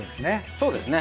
そうですね。